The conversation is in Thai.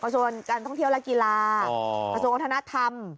ส่วนการท่องเที่ยวและกีฬาประสบความทนาธรรม